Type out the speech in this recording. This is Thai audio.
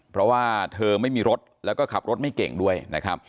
เพราะว่าเธอไม่มีรถแล้วก็ขับรถไม่เก่งด้วยนะครับ